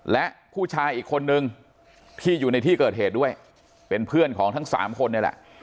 และผู้ชายอีกคนนึงที่อยู่ในที่เกิดเหตุด้วยเป็นเพื่อนของทั้งสามคนนี่แหละ